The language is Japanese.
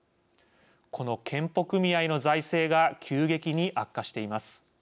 この健保組合の財政が急激に悪化しています。